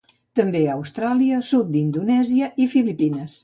També a Austràlia, sud d'Indonèsia i Filipines.